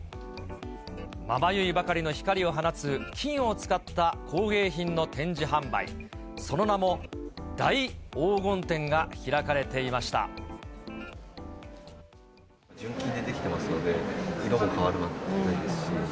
まばゆいばかりの光を放つ、金を使った工芸品の展示販売、その名も、純金で出来ていますので、色も変わらないですし。